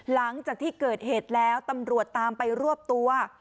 หลังจากที่เกิดเหตุแล้วตำรวจตามไปรวบตัว